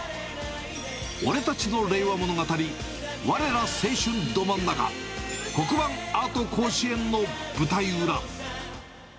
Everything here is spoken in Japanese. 俺たちの令和物語、われら青春ど真ん中、黒板アート甲子園の舞台裏。